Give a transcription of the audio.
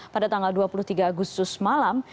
pada tanggal dua puluh tiga agustus malam